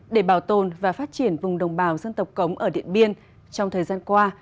để bảo tồn và phát triển vùng đồng bào dân tộc cống ở điện biên trong thời gian qua